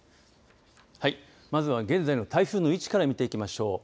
はい、まずは現在の台風の位置から見ていきましょう。